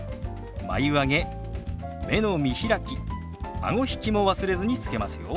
眉上げ目の見開きあご引きも忘れずにつけますよ。